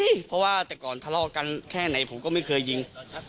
เพราะว่าแต่ก่อนทะเลาะกันแค่ไหนผมก็ไม่เคยยิง